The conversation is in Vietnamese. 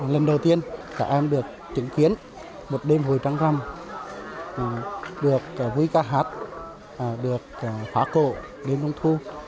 lần đầu tiên các em được chứng kiến một đêm hồi trắng răm được vui ca hát được phá cổ đêm trung thu